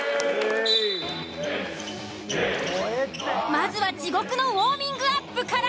まずは地獄のウオーミングアップから。